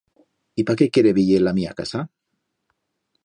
Y pa qué quiere veyer la mía casa?